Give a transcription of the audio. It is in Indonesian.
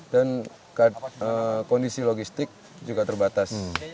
dan kondisi logistik juga terbatas